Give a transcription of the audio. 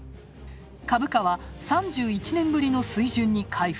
株価は３１年ぶりの水準に回復。